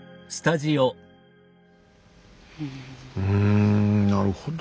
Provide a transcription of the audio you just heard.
うんなるほど。